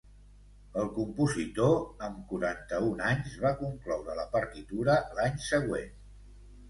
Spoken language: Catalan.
El compositor, amb quaranta-un anys, va concloure la partitura l'any següent.